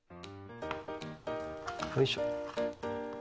おいしょ。